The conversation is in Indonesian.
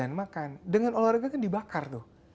jangan makan dengan olahraga kan dibakar tuh